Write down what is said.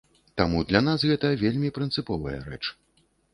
Таму для нас гэта вельмі прынцыповая рэч.